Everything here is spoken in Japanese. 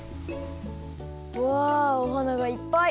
うわお花がいっぱい！